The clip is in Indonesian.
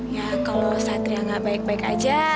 ya kalau satria nggak baik baik aja